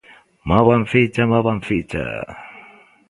¡Movan ficha, movan ficha!